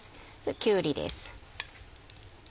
きゅうりです。